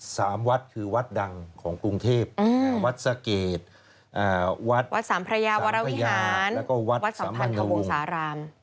สามวัดคือวัดดังของกรุงเทพวัดสะเกดอ่าวัดวัดสามพระยาวรวิหารแล้วก็วัดวัดสัมพันธวงศาลาม